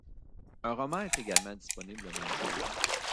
Un roman est également disponible le même jour.